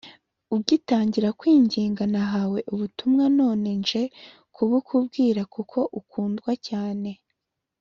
ugitangira kwinginga nahawe ubutumwa none nje kubukubwira kuko ukundwa cyane